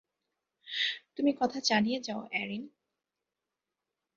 তুমি কথা চালিয়ে যাও, অ্যারিন!